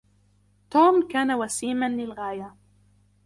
توم كان وسيماً للغاية.